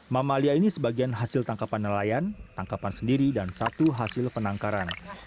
mamalia ini sebagian hasil tangkapan nelayan tangkapan sendiri dan satu hasil penangkaran